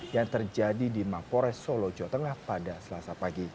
yang terjadi di mapores solo jotengah pada selasa pagi